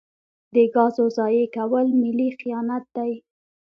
د ګازو ضایع کول ملي خیانت دی.